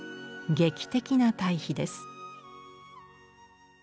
劇的な対比です。